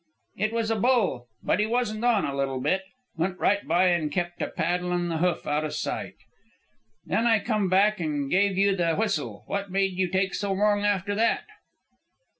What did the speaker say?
"It was a bull. But he wasn't on a little bit. Went right by an' kept a paddin' the hoof out a sight. Then I come back an' gave you the whistle. What made you take so long after that?"